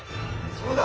そうだ！